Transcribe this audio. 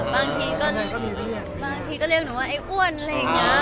เป็นยังก็มีเรื่อง